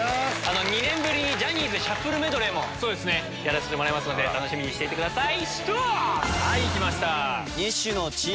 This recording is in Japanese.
２年ぶりにジャニーズシャッフルメドレーもやらせてもらいますので楽しみにしていてくださいＳＴＯＰ！